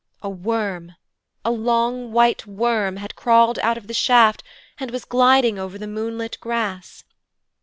A worm, a long white worm, had crawled out of the shaft and was gliding over the moonlit grass.